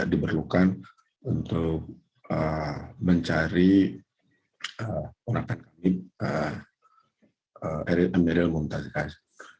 yang diperlukan untuk mencari orang orang yang tidak menguntaskan